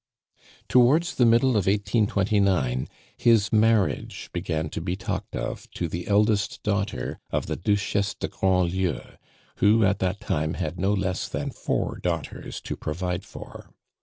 Towards the middle of 1829 his marriage began to be talked of to the eldest daughter of the Duchesse de Grandlieu, who at that time had no less than four daughters to provide for.